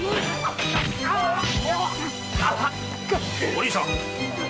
お凛さん！